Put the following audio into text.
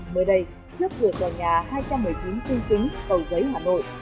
mới đây trước giữa tòa nhà hai trăm một mươi chín trung kính tàu giấy hà nội